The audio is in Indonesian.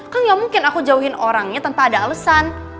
kan gak mungkin aku jauhin orangnya tanpa ada alasan